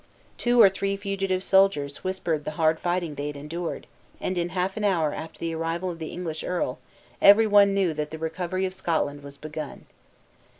Two or three fugitive soldiers whispered the hard fighting they had endured; and in half an hour after the arrival of the English earl, every one knew that the recovery of Scotland was begun.